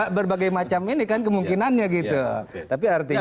berbagai macam ini kan kemungkinannya gitu tapi artinya